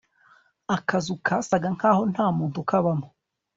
akazu kasaga nkaho ntamuntu ubamo